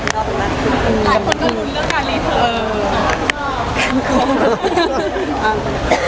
เพราะชอบร้อง